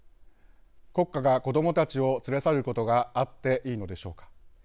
国家が子どもたちを連れ去ることがあっていいのでしょうか。